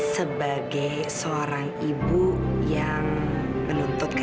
sebagai seorang ibu yang menuntutkan